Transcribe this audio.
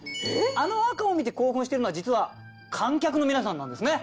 あの赤を見て興奮してるのは実は観客の皆さんなんですね。